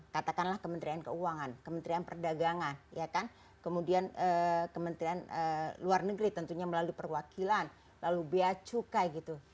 katakanlah kementerian keuangan kementerian perdagangan kemudian kementerian luar negeri tentunya melalui perwakilan lalu biaya cukai gitu